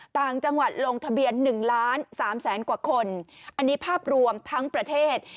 ต่างจังหวัดลงทะเบียน๑ล้าน๓แสนกว่าคนอันนี้ภาพรวมทั้งประเทศ